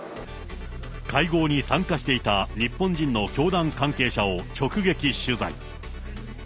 会合に参加していた日本人の教団関係者を直撃取材。